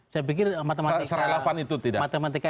saya pikir matematika